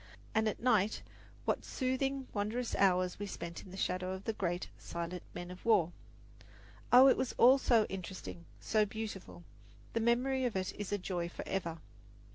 And at night what soothing, wondrous hours we spent in the shadow of the great, silent men of war. Oh, it was all so interesting, so beautiful! The memory of it is a joy forever.